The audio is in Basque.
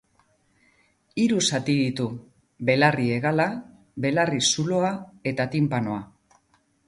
Hiru zati ditu: belarri-hegala, belarri-zuloa eta tinpanoa.